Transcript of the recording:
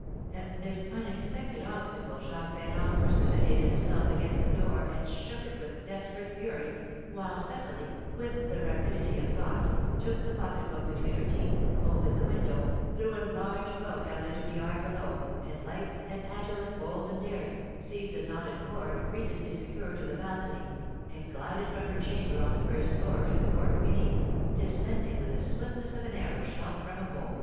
At this unexpected obstacle Jacques Ferrand precipitated himself against the door and shook it with desperate fury, while Cecily, with the rapidity of thought, took the pocket book between her teeth, opened the window, threw a large cloak out into the yard below, and, light and agile as bold and daring, seized a knotted cord previously secured to the balcony, and glided from her chamber on the first floor to the court beneath, descending with the swiftness of an arrow shot from a bow.